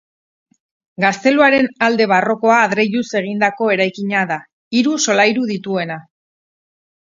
Gazteluaren alde barrokoa adreiluz egindako eraikina da, hiru solairu dituena.